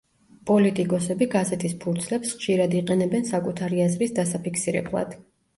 პოლიტიკოსები გაზეთის ფურცლებს ხშირად იყენებენ საკუთარი აზრის დასაფიქსირებლად.